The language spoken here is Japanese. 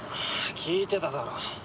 聞いてただろ。